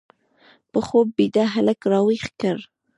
په خوب بیده هلک راویښ کړ